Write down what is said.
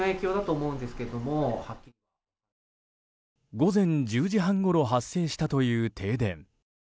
午前１０時半ごろ発生したという停電。